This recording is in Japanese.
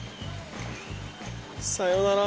さようなら。